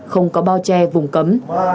không có bao che vùng cấm